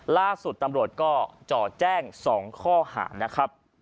ล่าสุดตำรวจก็จ่อแจ้ง๒ข้อหานะครับ